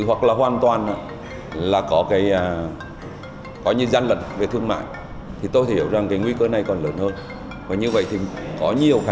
hoặc là hoàn toàn có gian lận về thương mại tôi hiểu rằng nguy cơ này còn lớn hơn có nhiều khả